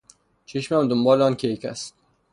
چشمم دنبال آن کیک است.